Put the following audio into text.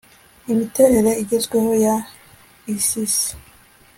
imiterere igezweho ya isis